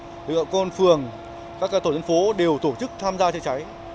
lực lượng công an phường các tổ chức phố đều tổ chức tham gia cháy cháy